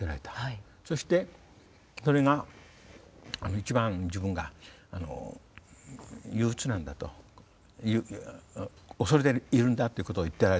そしてそれが一番自分が憂鬱なんだと恐れているんだっていうことを言っておられたんですよ。